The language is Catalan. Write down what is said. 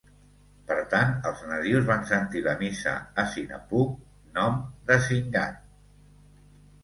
Per tant, els nadius van sentir la missa a Sinapug, nom d'Asingan.